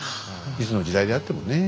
いつの時代であってもね。